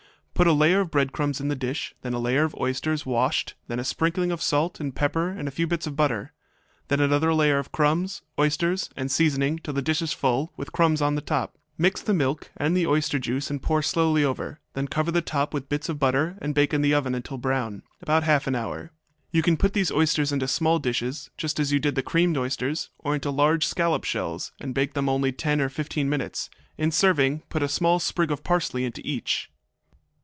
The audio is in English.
Put a layer of crumbs in the dish, then a layer of oysters, washed, then a sprinkling of salt and pepper and a few bits of butter. Then another layer of crumbs, oysters, and seasoning, till the dish is full, with crumbs on the top. Mix the milk and oyster juice and pour slowly over. Then cover the top with bits of butter, and bake in the oven till brown about half an hour. You can put these oysters into small dishes, just as you did the creamed oysters, or into large scallop shells, and bake them only ten or fifteen minutes. In serving, put a small sprig of parsley into each.